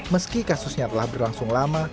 meski kasusnya telah berlangsung lama